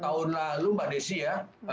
kalau tahun lalu mbak desy ya